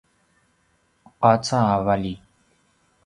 qaca a vali